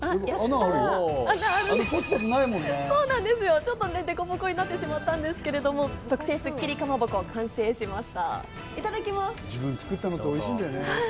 ちょっと、でこぼこになってしまったんですけれども、特製スッキリかまぼこ、完成しました。